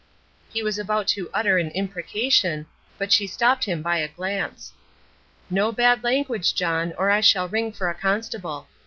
He was about to utter an imprecation, but she stopped him by a glance. "No bad language, John, or I shall ring for a constable.